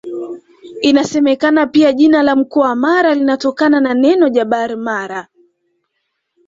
Inasemekana pia jina la mkoa wa Mara linatokana na neno Jabar Mara